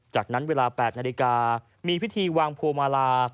จากนั้นเวลา๘นาฬิกามีพิธีวางพวงมาลา